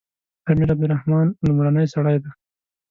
امیر عبدالرحمن لومړنی سړی دی.